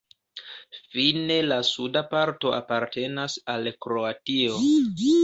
Fine la suda parto apartenas al Kroatio.